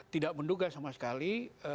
tidak menduga sama sekali